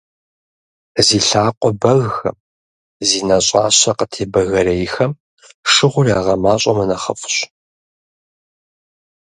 Зи лъакъуэ бэгхэм, зи нэщӀащэ къытебэгэрейхэм шыгъур ягъэмащӀэмэ нэхъыфӀщ.